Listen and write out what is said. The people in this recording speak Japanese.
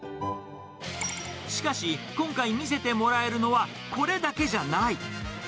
しかし、今回見せてもらえるのは、これだけじゃない。